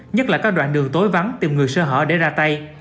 nhất là các đoạn đường tối vắng tìm người sơ hở để ra tay